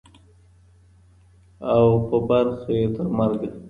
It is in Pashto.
او په برخه یې ترمرګه